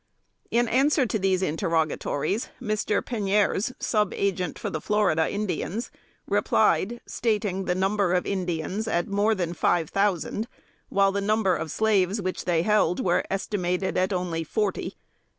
In answer to these interrogatories, Mr. Penieres, Sub Agent for the Florida Indians, replied, stating the number of Indians at more than five thousand, while the number of slaves which they held were estimated at only forty.